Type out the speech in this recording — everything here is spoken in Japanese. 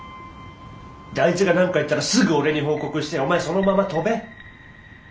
であいつが何か言ったらすぐ俺に報告してお前そのまま飛べ。